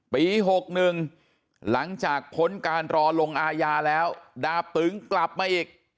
ปี๖๑หลังจากพ้นการรอลงอาญาแล้วดาบตึงกลับมาอีก